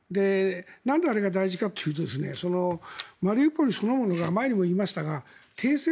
なんであれが大事かというとマリウポリそのものが前にも言いましたが帝政